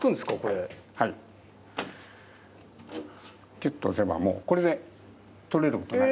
キュッと押せばもうこれで取れることない。